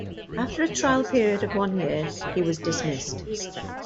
After a trial period of one year, he was dismissed.